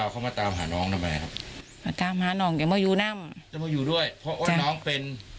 จะมาอยู่ด้วยเพราะโอ๊ยน้องเป็น